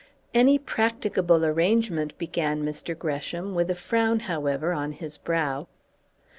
"Any practicable arrangement " began Mr. Gresham, with a frown, however, on his brow.